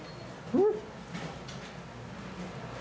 うん！